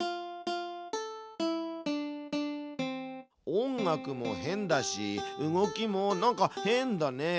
音楽も変だし動きもなんか変だね。